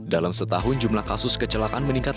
dalam setahun jumlah kasus kecelakaan meningkat